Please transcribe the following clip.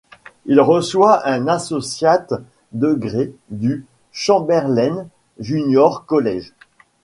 Il reçoit un associate degree du Chamberlayne Junior College.